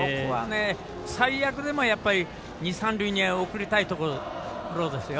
最悪でも二塁三塁には送りたいところですよ。